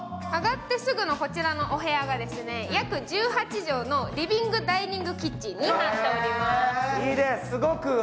上がってすぐのこちらのお部屋が約１８畳のリビングダイニングキッチンになっています。